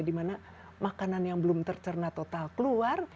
dimana makanan yang belum tercerna total keluar